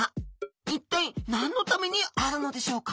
一体何のためにあるのでしょうか？